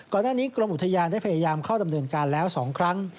ก่อนหน้านี้กรมอุทยานได้พยายามเข้าดำเนินการแล้ว๒ครั้ง